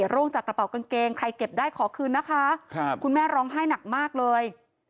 ร่วงจากกระเป๋ากางเกงใครเก็บได้ขอคืนนะคะคุณแม่ร้องไห้หนักมากเลย